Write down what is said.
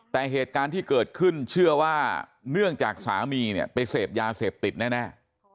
แต่เหตุการณ์ที่เกิดขึ้นเชื่อว่าเนื่องจากสามีเนี่ยไปเสพยาเสพติดแน่